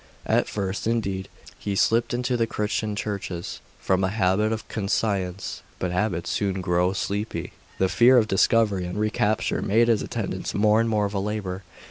At first, indeed, he slipped into the Christian churches, from a habit of conscience. But habits soon grow sleepy; the fear of discovery and recapture made his attendance more and more of a labour.